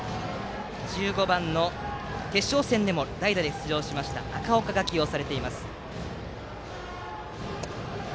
１５番、決勝戦でも代打で出場の赤岡が起用されています。